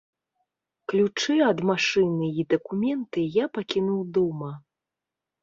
Ключы ад машыны і дакументы я пакінуў дома.